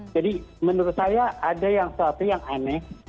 jadi menurut saya ada yang suatu yang aneh